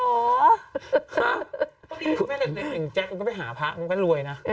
ก็ดีทุกแม่เด็กอย่างแจ๊คก็ไปหาพระมันก็รวยนะ